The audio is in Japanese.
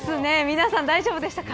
皆さん、大丈夫でしたか。